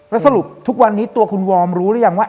แล้วสรุปทุกวันนี้ตัวคุณวอร์มรู้หรือยังว่า